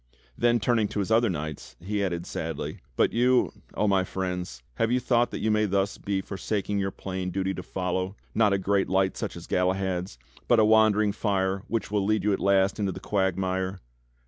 Then turning to his other knights, he added sadly: "But you. Oh my friends, have you thought that you may thus be forsaking your plain duty to follow, not a great light such as Galahad's, but a wandering fire which will lead you at last into the quagmire.